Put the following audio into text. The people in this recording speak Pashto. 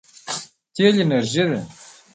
تېل انرژي ده.